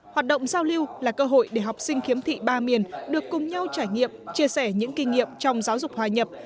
hoạt động giao lưu là cơ hội để học sinh khiếm thị ba miền được cùng nhau trải nghiệm chia sẻ những kinh nghiệm trong giáo dục hòa nhập